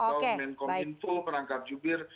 atau menkom info perangkap jubir